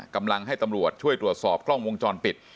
กำลังให้ตำรวจช่วยตรวจสอบกล้องวงจรปิด